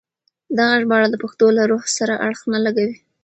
دغه ژباړه د پښتو له روح سره اړخ نه لګوي.